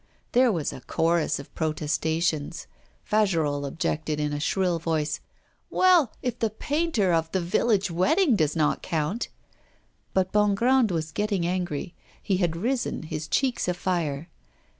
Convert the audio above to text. There was a chorus of protestations; Fagerolles objected, in a shrill voice: 'Well, if the painter of "The Village Wedding" does not count ' But Bongrand was getting angry; he had risen, his cheeks afire.